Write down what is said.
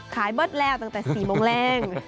ขายเบอร์ดแล้วตั้งแต่๔โมงแรง